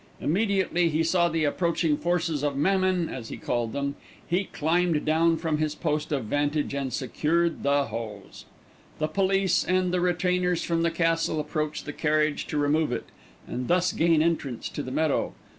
Immediately he saw the approaching forces of Mammon, as he called them, he climbed down from his post of vantage and secured the hose. The police and the retainers from the Castle approached the carriage to remove it and thus gain entrance to the meadow.